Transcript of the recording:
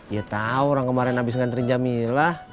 iya tau orang kemarin abis nganterin jamilah